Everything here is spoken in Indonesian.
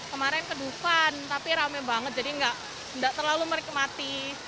kemarin kedupan tapi rame banget jadi nggak terlalu menikmati